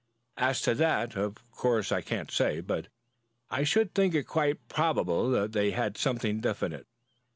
"As to that, of course, I can't say, but I should think it quite probable that they had something definite.